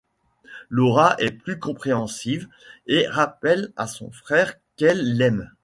Laura est plus compréhensive et rappelle à son frère qu'elle l'aime.